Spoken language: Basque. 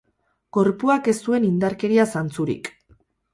Gorpuak ez zuen indarkeria zantzurik.